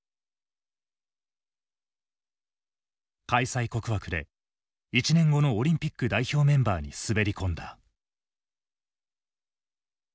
開催国枠で１年後のオリンピック代表メンバーに滑り込んだ。